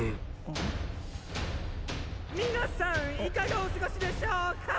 皆さんいかがお過ごしでしょうか